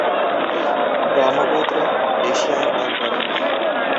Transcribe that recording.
ব্রহ্মপুত্র এশিয়ার এক বড় নদী।